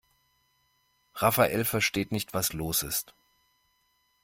Rafael versteht nicht, was los ist.